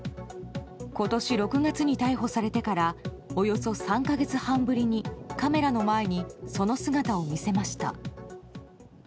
今年６月に逮捕されてからおよそ３か月半ぶりにカメラの前にその姿を見せました。